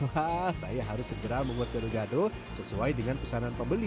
wah saya harus segera membuat gado gado sesuai dengan pesanan pembeli